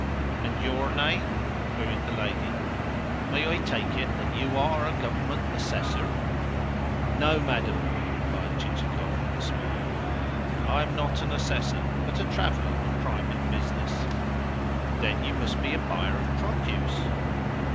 "And YOUR name?" queried the lady. "May I take it that you are a Government Assessor?" "No, madam," replied Chichikov with a smile. "I am not an Assessor, but a traveller on private business." "Then you must be a buyer of produce?